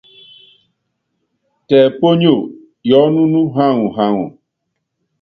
Tɛ ponyoo yoonúnú yaŋɔ yaŋɔ.